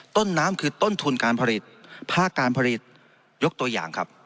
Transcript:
ต้นน้ำคือต้นทุนการผลิตภาคการผลิตยกตัวอย่างครับ